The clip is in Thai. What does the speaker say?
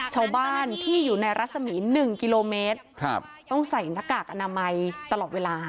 ชาวบ้านที่อยู่ในรัศมี๑กิโลเมตรต้องใส่หน้ากากอนามัยตลอดเวลา